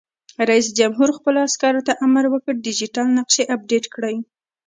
رئیس جمهور خپلو عسکرو ته امر وکړ؛ ډیجیټل نقشې اپډېټ کړئ!